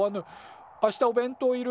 「明日お弁当いる？」